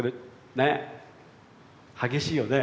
ねえ激しいよね。